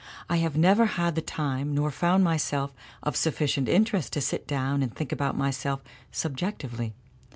I have never had the time nor found myself of sufficient interest to sit down and think about myself subjectively.